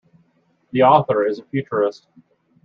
The author is a futurist.